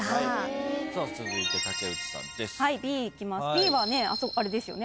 Ｂはあれですよね。